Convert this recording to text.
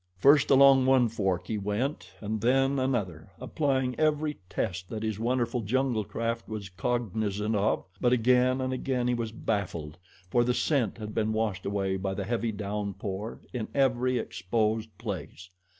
First along one fork he went, and then another, applying every test that his wonderful junglecraft was cognizant of; but again and again he was baffled, for the scent had been washed away by the heavy downpour, in every exposed place.